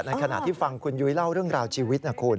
ขณะที่ฟังคุณยุ้ยเล่าเรื่องราวชีวิตนะคุณ